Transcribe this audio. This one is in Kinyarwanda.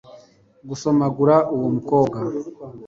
gusomagura uwo mukobwa